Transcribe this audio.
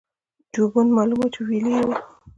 جوبن معلوم وو چې وييلي يې وو-